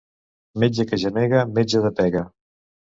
Metge que gemega, metge de pega.